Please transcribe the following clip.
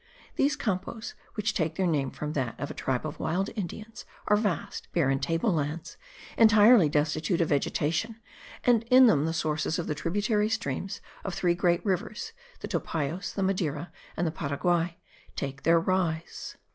These Campos, which take their name from that of a tribe of wild Indians, are vast, barren table lands, entirely destitute of vegetation; and in them the sources of the tributary streams of three great rivers, the Topayos, the Madeira and the Paraguay, take their rise.